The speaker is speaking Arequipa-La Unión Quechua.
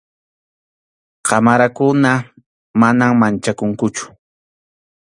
qamarakuna, manam manchakunkuchu.